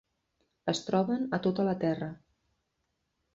Es troben a tota la Terra.